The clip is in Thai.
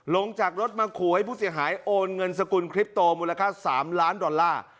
ลงจากรถมาขู่ให้ผู้เสียหายโอนเงินสกุลคลิปโตมูลค่า๓ล้านดอลลาร์